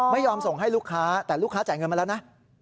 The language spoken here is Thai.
ไม่ยอมส่งให้ลูกค้าแต่ลูกค้าจ่ายเงินมาแล้วนะ